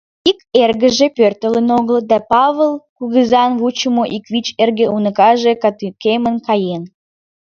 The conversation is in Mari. Ик эргыже пӧртылын огыл, да Павыл кугызан вучымо ик вич эрге уныкаже «катыкемын» каен.